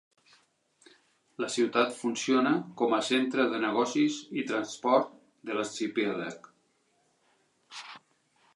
La ciutat funciona com a centre de negocis i transport de l'arxipèlag.